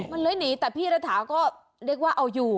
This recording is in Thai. มันเลื้อยหนีแต่พี่ระถาก็เรียกว่าเอาอยู่